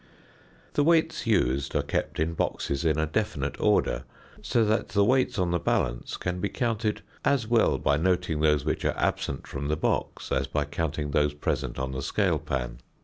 The weights used are kept in boxes in a definite order, so that the weights on the balance can be counted as well by noting those which are absent from the box as by counting those present on the scale pan.